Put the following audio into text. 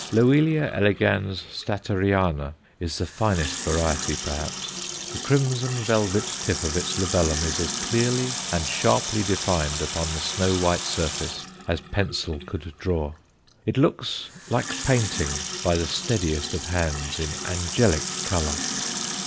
Loelia elegans Statteriana is the finest variety perhaps; the crimson velvet tip of its labellum is as clearly and sharply defined upon the snow white surface as pencil could draw; it looks like painting by the steadiest of hands in angelic colour.